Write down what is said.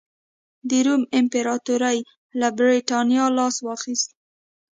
د روم امپراتورۍ له برېټانیا لاس واخیست